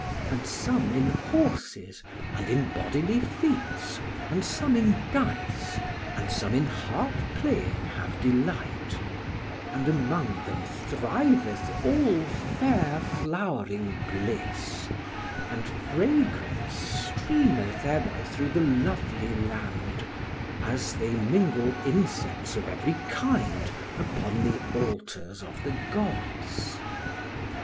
And some in horses, and in bodily feats, and some in dice, and some in harp playing have delight; and among them thriveth all fair flowering bliss; and fragrance streameth ever through the lovely land, as they mingle incense of every kind upon the altars of the gods." [Footnote: Pindar, Thren. I. Translation by E. Myers.